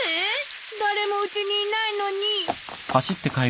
誰もうちにいないのに。